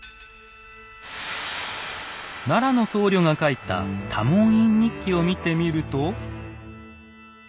奈良の僧侶が書いた「多聞院日記」を見てみると。